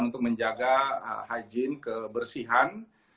untuk menjaga hijin kebersihan